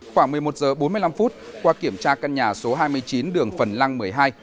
khoảng một mươi một h bốn mươi năm qua kiểm tra căn nhà số hai mươi chín đường phần lăng một mươi hai